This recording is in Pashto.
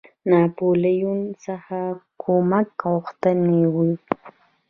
ناپولیون څخه کومک غوښتی وو.